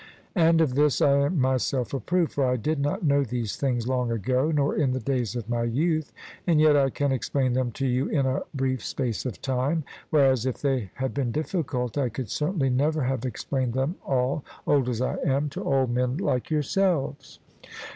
And of this I am myself a proof; for I did not know these things long ago, nor in the days of my youth, and yet I can explain them to you in a brief space of time; whereas if they had been difficult I could certainly never have explained them all, old as I am, to old men like yourselves.